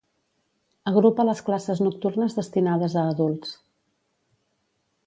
Agrupa les classes nocturnes destinades a adults.